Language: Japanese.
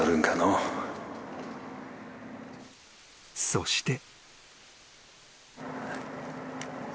［そして］